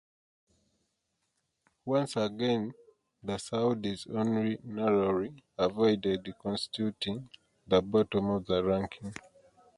Once again, the Saudis only narrowly avoided constituting the bottom of the ranking.